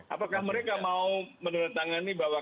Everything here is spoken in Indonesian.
apakah mereka mau menurut tangani bahwa